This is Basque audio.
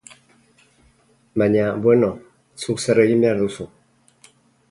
Baina, bueno, zuk zer egin behar duzu?